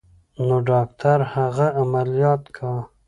نو ډاکتر هغه عمليات کا.